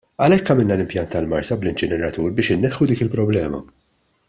Għalhekk għamilna l-impjant tal-Marsa bl-inċineratur biex inneħħu dik il-problema.